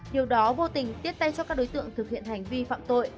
nhiều đó vô tình tiết tay cho các đối tượng thực hiện hành vi phạm